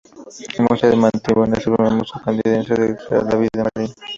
El Museo de Manitoba es el primer museo canadiense en recrear la vida marina.